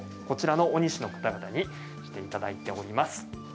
こちらの鬼師の方々に来ていただいております。